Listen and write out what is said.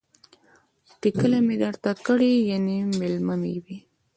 ټکله می درته کړې ،یعنی میلمه می يی